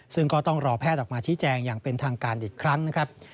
ซึ่งก็ต้องรอแพทย์ออกมาชี้แจงอย่างเป็นทางการอีกครั้งนะครับ